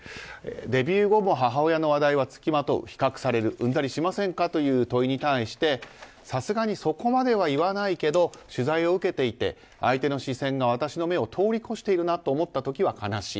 デビュー後も母親の話題は付きまとう比較されるうんざりしませんか？という問いに対してさすがにそこまでは言わないけど取材を受けていて相手の視線が私の目を通り越しているなと思った時は悲しい。